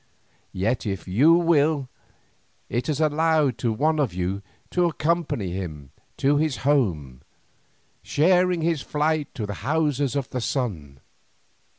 Yet if you will, it is allowed to one of you to accompany him to his home, sharing his flight to the Houses of the Sun.